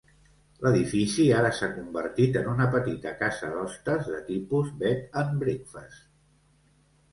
L'edifici ara s'ha convertit en una petita casa d'hostes de tipus "bed and breakfast".